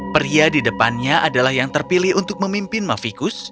pria di depannya adalah yang terpilih untuk memimpin mavikus